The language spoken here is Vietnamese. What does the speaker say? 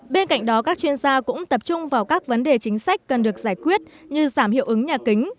bên cạnh đó các chuyên gia cũng tập trung vào các vấn đề chính sách cần được giải quyết như giảm hiệu ứng nhà kính